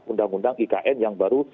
undang undang ikn yang baru